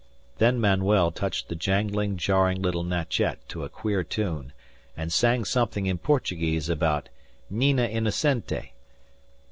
Then Manuel touched the jangling, jarring little machette to a queer tune, and sang something in Portuguese about "Nina, innocente!"